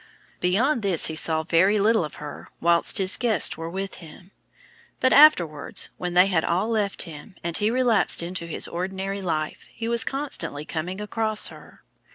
Beyond this he saw very little of her while his guests were with him; but afterwards, when they had all left him, and he relapsed into his ordinary life, he was constantly coming across her.